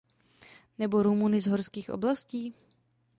Nebo Rumuny z horských oblastí?